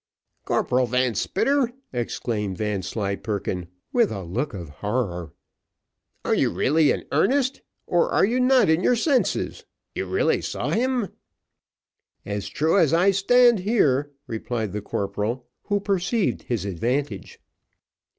"Corporal Van Spitter," exclaimed Vanslyperken with a look of horror, "are you really in earnest, or are you not in your senses you really saw him?" "As true as I stand here," replied the corporal, who perceived his advantage.